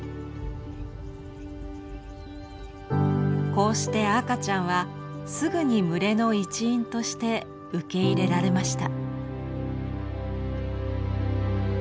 こうして赤ちゃんはすぐに群れの一員として受け入れられました。